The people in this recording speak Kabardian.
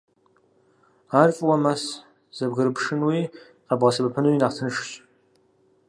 Ар фӀыуэ мэс, зэбгрыпшынуи къэбгъэсэбэпынуи нэхъ тыншщ.